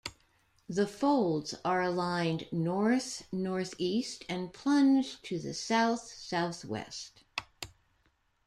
The folds are aligned north-north east and plunge to the south south west.